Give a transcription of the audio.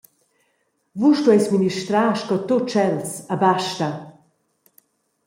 Vus stueis ministrar sco tut tschels e basta.